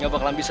welp buang dia